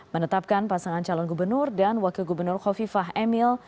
menetapkan pasangan calon gubernur dan wakil gubernur khofifah emil